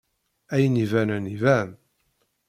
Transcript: Ayen ibanen iban.